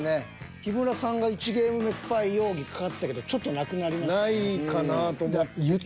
木村さんが１ゲーム目スパイ容疑かかってたけどちょっとなくなりました。